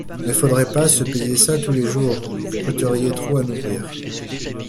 Mais faudrait pas se payer ça tous les jours, vous coûteriez trop à nourrir.